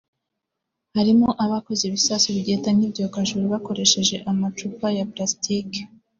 harimo abakoze ibisasu bigenda nk’ibyogajuru bakoresheje amacupa ya palasitiki